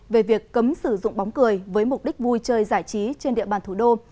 về việc cấm sử dụng bóng cười với mục đích vui chơi giải trí trên địa bàn thủ đô